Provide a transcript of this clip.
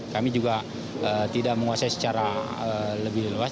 kami juga tidak menguasai secara lebih luas